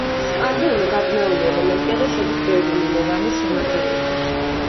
სკანდიუმი გაბნეული ელემენტია და შედის ბევრი მინერალის შემადგენლობაში.